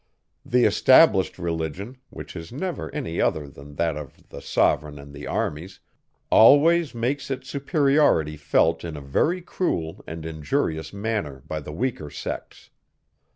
The established religion, which is never any other than that of the sovereign and the armies, always makes its superiority felt in a very cruel and injurious manner by the weaker sects.